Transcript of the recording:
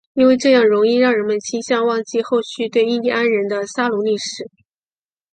因为这样容易让人们倾向忘记后续对印第安人的杀戮历史。